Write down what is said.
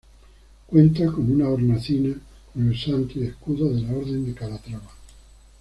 Cuenta con una hornacina con el santo y escudos de la orden de Calatrava.